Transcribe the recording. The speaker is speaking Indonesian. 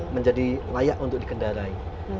lebih layak untuk dikendarai